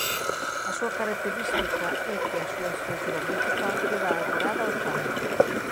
A súa característica é que a súa estrutura principal queda ancorada ó chan.